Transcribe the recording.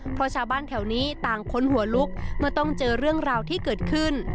เพราะชาวบ้านแถวนี้ต่างคนหัวลุกเมื่อต้องเจอเรื่องราวที่เกิดขึ้น